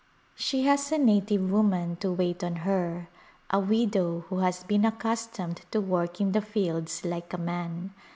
She has a native woman A Glimpse of India to wait on her, a widow who has been accustomed to work in the fields like a man.